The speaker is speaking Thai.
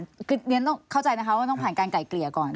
นี่ต้องเข้าใจนะครับว่าต้องผ่านการไกล่เกลี่ยก่อน